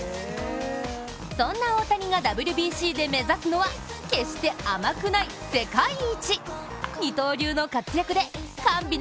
そんな大谷がＷＢＣで目指すのは決して甘くない世界一。